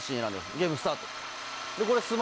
ゲームスタート。